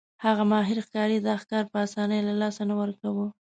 هغه ماهر ښکاري دا ښکار په اسانۍ له لاسه نه ورکاوه.